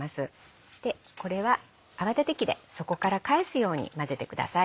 そしてこれは泡立て器で底から返すように混ぜてください。